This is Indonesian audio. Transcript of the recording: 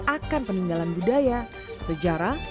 akan peninggalan budaya sejarah